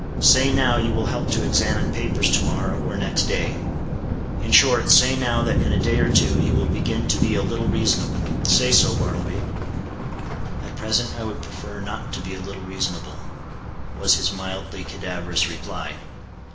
Say now you will help to examine papers to morrow or next day: in short, say now that in a day or two you will begin to be a little reasonable:—say so, Bartleby." "At present I would prefer not to be a little reasonable," was his mildly cadaverous reply.